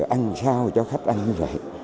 ăn sao cho khách ăn như vậy